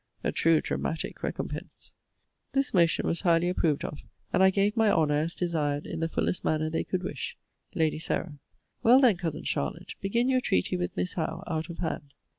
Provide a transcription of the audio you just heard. A true dramatic recompense! This motion was highly approved of; and I gave my honour, as desired, in the fullest manner they could wish. Lady Sarah. Well then, Cousin Charlotte, begin your treaty with Miss Howe, out of hand.